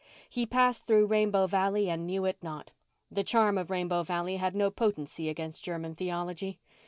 He passed through Rainbow Valley and knew it not. The charm of Rainbow Valley had no potency against German theology.